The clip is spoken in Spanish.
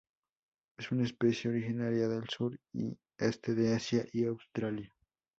Es una especie originaria del sur y este de Asia y Australia.